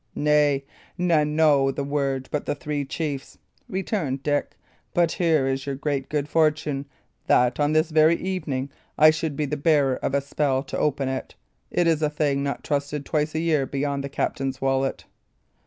"Nay, none know the word but the three chiefs," returned Dick; "but here is your great good fortune, that, on this very evening, I should be the bearer of a spell to open it. It is a thing not trusted twice a year beyond the captain's wallet."